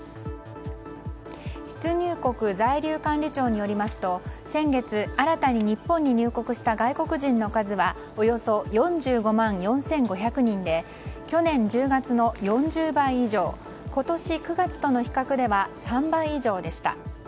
出入国在留管理庁によりますと先月、新たに日本に入国した外国人の数はおよそ４５万４５００人で去年１０月の４０倍以上今年９月との比較では３倍以上でした。